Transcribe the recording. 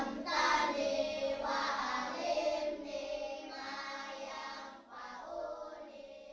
terima kasih sersa